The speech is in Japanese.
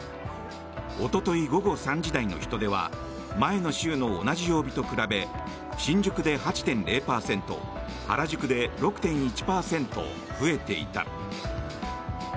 おととい午後３時台の人出は前の週の同じ曜日と比べ新宿で８．０％原宿で６．１％増えていた。